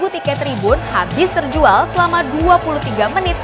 dua puluh tiket tribun habis terjual selama dua puluh tiga menit